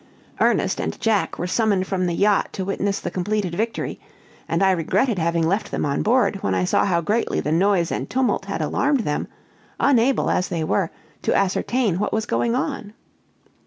Ernest and Jack were summoned from the yacht to witness the completed victory; and I regretted having left them on board, when I saw how greatly the noise and tumult had alarmed them, unable, as they were, to ascertain what was going on.